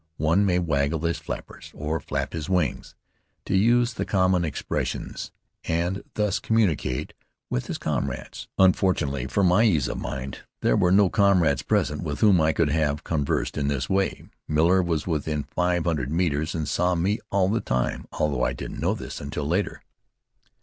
One may "waggle his flippers," or "flap his wings," to use the common expressions, and thus communicate with his comrades. Unfortunately for my ease of mind, there were no comrades present with whom I could have conversed in this way. Miller was within five hundred metres and saw me all the time, although I didn't know this until later.